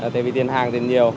tại vì tiền hàng thì nhiều